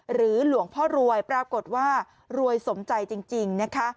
หรือหลวงพ่อรวยปรากฏว่ารวยสมใจจริงนะคะ